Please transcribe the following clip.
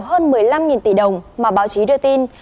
hơn một mươi năm tỷ đồng mà báo chí đưa tin